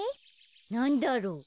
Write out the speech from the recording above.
なんだろう？